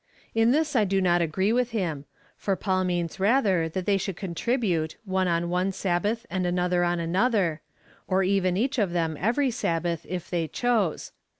In this I do not agree with him ; for Paul means rather that they should contribute, one on one Sabbath and another on another ; or even each of them every Sabbath, if they chose.